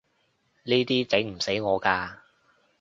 呢啲整唔死我㗎